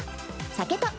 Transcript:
酒と。